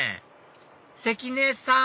関根さん